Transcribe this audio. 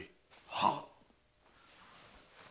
はっ。